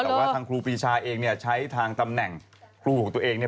แต่ว่าทางครูปีชาเองเนี่ยใช้ทางตำแหน่งครูของตัวเองเนี่ย